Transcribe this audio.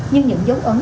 nhưng những dấu ấn